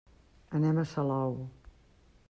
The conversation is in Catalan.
Anem a Salou.